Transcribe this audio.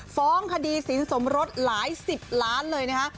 ฟ้องคดีสินสมรสหลายสิบล้านเลยนะคะ